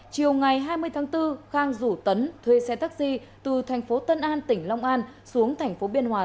chiều ngày hai mươi tháng bốn khang rủ tấn thuê xe taxi từ thành phố tân an tỉnh long an xuống thành phố biên hòa